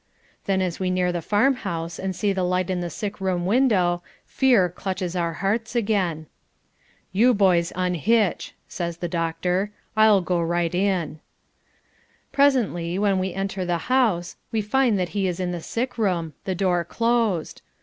Then as we near the farm house and see the light in the sick room window, fear clutches our hearts again. "You boys unhitch," says the doctor. "I'll go right in." Presently, when we enter the house, we find that he is in the sick room the door closed.